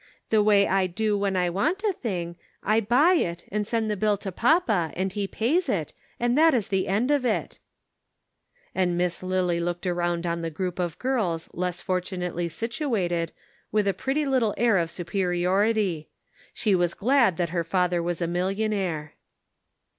The way I do when I want a thing, I buy it, and send the bill to papa and he pays it, and that is the end of it." And Miss Lily looked around on the groug of girls less fortunately situated with a pretty little air of superiorit3r. She was glad that her father was a millionaire.